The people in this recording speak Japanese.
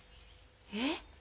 えっ？